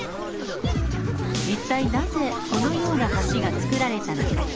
一体なぜ、このような橋が造られたのか。